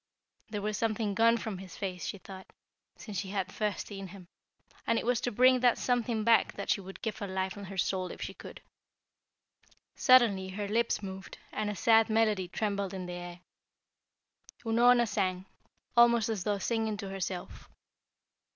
There was something gone from his face, she thought, since she had first seen him, and it was to bring that something back that she would give her life and her soul if she could. Suddenly her lips moved and a sad melody trembled in the air. Unorna sang, almost as though singing to herself.